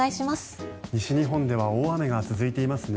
西日本では大雨が続いていますね。